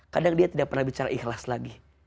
kadang dia tidak pernah bicara ikhlas lagi